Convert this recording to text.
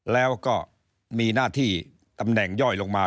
แล้วก็มีหน้าที่ตำแหน่งย่อยลงมา